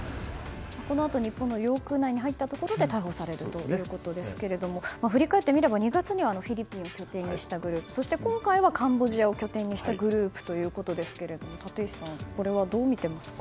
このあと日本の領空内に入ったところで逮捕されるということですが振り返ってみれば２月にはフィリピンを拠点にしたグループそして今回はカンボジアを拠点にしたグループということですが立石さん、これはどうみていますか？